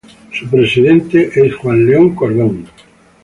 Su presidente es Juan León Cordón.